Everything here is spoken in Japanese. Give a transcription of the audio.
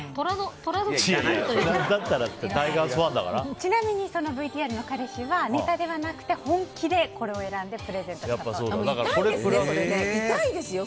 ちなみにＶＴＲの彼氏はネタではなくて本気でこれを選んでプレゼントしたそうです。